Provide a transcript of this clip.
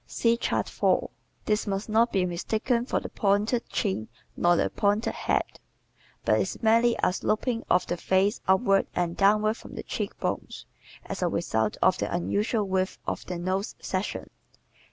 (See Chart 4) This must not be mistaken for the pointed chin nor the pointed head, but is merely a sloping of the face upward and downward from the cheek bones as a result of the unusual width of the nose section.